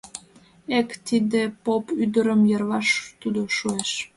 Эк, тиде поп ӱдырым: йырваш тудо шуэш!